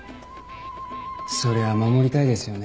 そりゃ守りたいですよね。